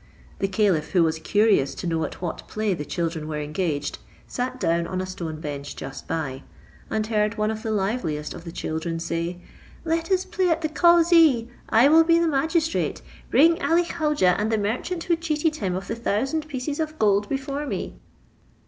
The caliph, who was curious to know at what play the children were engaged, sat down on a stone bench just by; and heard one of the liveliest of the children say, "Let us play at the cauzee I will be the magistrate; bring Ali Khaujeh and the merchant who cheated him of the thousand pieces of gold before me."